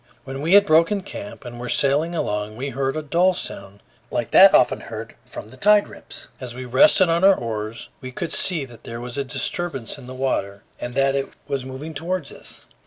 When we had broken camp and were sailing along, we heard a dull sound like that often heard from the tide rips. As we rested on our oars, we could see that there was a disturbance in the water and that it was moving toward us.